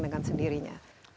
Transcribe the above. atau yang dengan sendirinya